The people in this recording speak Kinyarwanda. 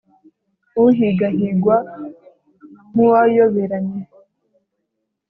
Uhigahigwa nk’uwayoberanye !